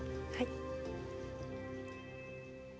はい。